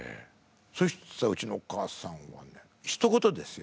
そしたらうちのお母さんはねひと言ですよ。